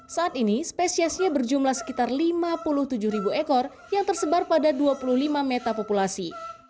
saat ini spesiasnya berjumlah sekitar lima puluh tujuh ekor yang tersebar pada dua puluh lima metapopulasi